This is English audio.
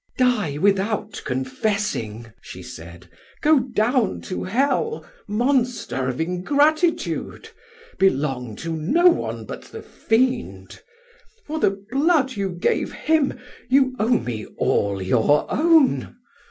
"Die without confessing!" she said. "Go down to hell, monster of ingratitude; belong to no one but the fiend. For the blood you gave him you owe me all your own!